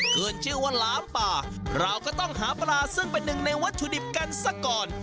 ขึ้นชื่อว่าหลามป่าเราก็ต้องหาปลาซึ่งเป็นหนึ่งในวัตถุดิบกันซะก่อน